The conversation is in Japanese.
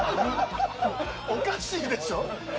おかしいでしょ。